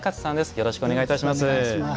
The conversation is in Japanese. よろしくお願いします。